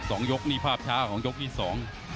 สองยกนี่ภาพช้าของยกที่สอง